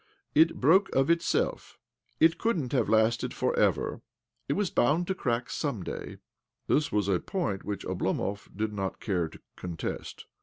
" It broke of itself. It couldn't have lasted for ever. It was bound to crack some day." This was a point which Oblomov did hot care to contest.